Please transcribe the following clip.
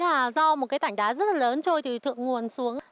và sau đó tảnh đá trôi từ thượng nguồn xuống